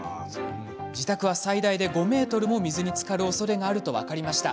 自宅は最大で５ｍも水につかる恐れがあると分かりました。